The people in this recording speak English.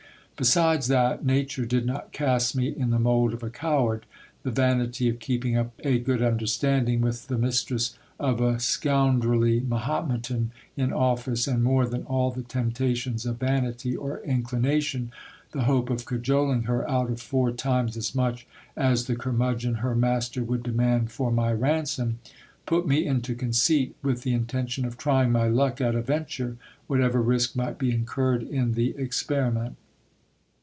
Besides that nature did not cast me in the mould of a coward, the vanity of keeping up a good understanding with the mistress of a scoundrelly Mahometan in office, and, more than all the temptations of vanity or inclination, the hope of cajoling her out of four times as much as the curmudgeon her mas ter would demand for my ransom, put me into conceit with the intention of try ing my luck at a venture, whatever risk might be incurred in the experiment.